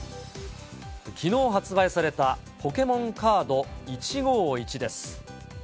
きのう発売されたポケモンカード１５１です。